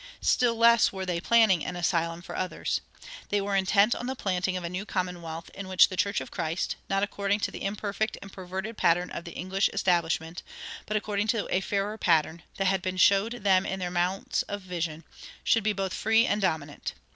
Still less were they planning an asylum for others. They were intent on the planting of a new commonwealth, in which the church of Christ, not according to the imperfect and perverted pattern of the English Establishment, but according to a fairer pattern, that had been showed them in their mounts of vision, should be both free and dominant.